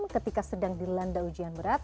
ketika sedang dilanda ujian berat